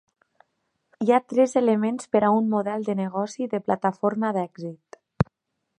Hi ha tres elements per a un model de negoci de plataforma d'èxit.